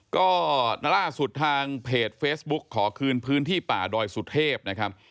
ก็นรรสุทธิ์ทางเพจเฟซบุ๊กขอคืนพื้นที่ป่าดอยสุทธิพย์นะครับ